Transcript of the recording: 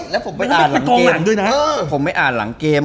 และผมไม่อ่านหลังเกม